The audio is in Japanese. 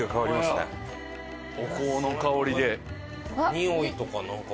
においとかなんか。